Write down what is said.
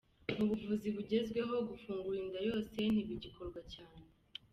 Mu buvuzi bugezweho gufungura inda yose ntibigikorwa cyane.